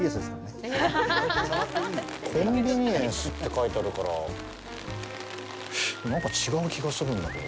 コンビニエンスって書いてあるからなんか違う気がするんだけど。